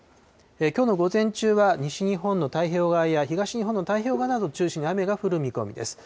きょうの午前中は西日本の太平洋側や東日本の太平洋側などを中心に雨が降る見込みです。